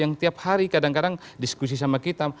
yang tiap hari kadang kadang diskusi sama kita